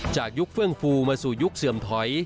ยุคเฟื่องฟูมาสู่ยุคเสื่อมถอย